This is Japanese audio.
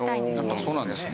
やっぱそうなんですね。